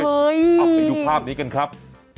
เอาไปดูภาพนี้กันครับ